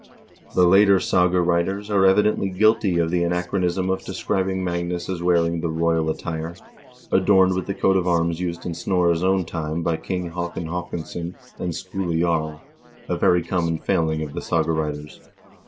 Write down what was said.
The later saga writers are evidently guilty of the anachronism of describing Magnus as wearing the royal attire, adorned with the coat of arms used in Snorre's own time by King Haakon Haakonsson and Skule Jarl, a very common failing of the saga writers.